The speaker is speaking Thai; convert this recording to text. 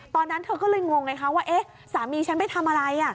ตอนนั้นเธอก็เลยงงไงคะว่าเอ๊ะสามีฉันไปทำอะไร